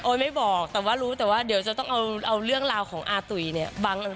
ไม่บอกแต่ว่ารู้แต่ว่าเดี๋ยวจะต้องเอาเรื่องราวของอาตุ๋ยเนี่ย